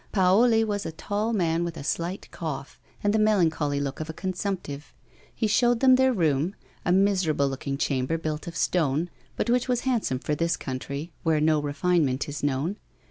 Paoli was a tall man with a slight cough, and the melancholy look of a consumptive ; he showed them their room, a miserable looking chamber built of stone, but whicli was handsome for this country, where no refinement is known.